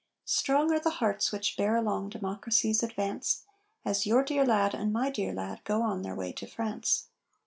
Strong are the hearts which bear along Democracy's advance, As your dear lad, and my dear lad, go on their way to France.